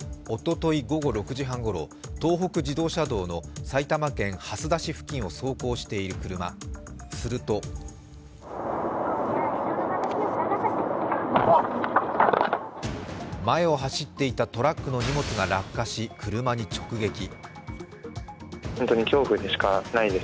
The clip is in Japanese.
おととい午後６時半ごろ、東北自動車道の埼玉県蓮田市付近を走行している車、すると前を走っていたトラックの荷物が落下し車に直撃。